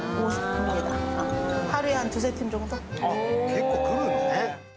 結構来るんだね。